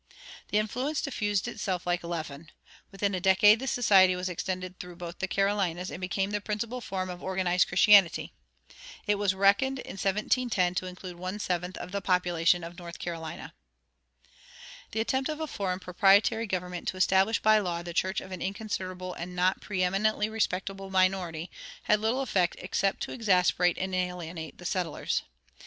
The influence diffused itself like leaven. Within a decade the society was extended through both the Carolinas and became the principal form of organized Christianity. It was reckoned in 1710 to include one seventh of the population of North Carolina.[65:1] The attempt of a foreign proprietary government to establish by law the church of an inconsiderable and not preëminently respectable minority had little effect except to exasperate and alienate the settlers.